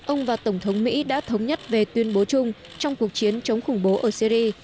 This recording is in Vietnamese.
ông và tổng thống mỹ đã thống nhất về tuyên bố chung trong cuộc chiến chống khủng bố ở syri